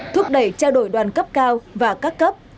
thúc đẩy trao đổi đoàn cấp cao và các cấp